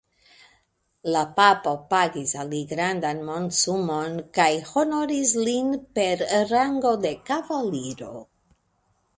La papo pagis al li grandan monsumon kaj honoris lin per rango de kavaliro.